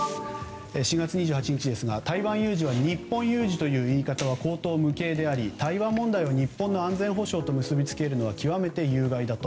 ４月２８日台湾有事は日本有事という言い方は荒唐無稽であり台湾問題を日本の安全保障と結びつけるのは極めて有害だと。